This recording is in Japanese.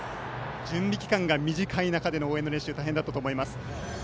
準備期間が短い中での応援の練習大変だったと思います。